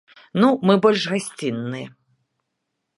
Ну, мы больш гасцінныя.